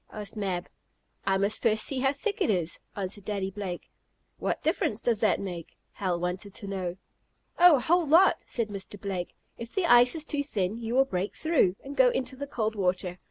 asked Mab, "I must first see how thick it is," answered Daddy Blake. "What difference does that make?" Hal wanted to know. "Oh, a whole lot," said Mr. Blake. "If the ice is too thin you will break through, and go into the cold water.